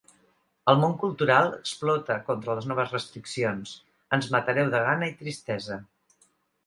El món cultural explota contra les noves restriccions: ‘Ens matareu de gana i tristesa’